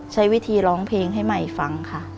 ใช้วิธีร้องเพลงให้ใหม่ฟังค่ะ